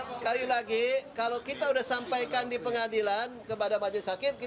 sekali lagi kalau kita sudah sampaikan di pengadilan kepada majelis hakim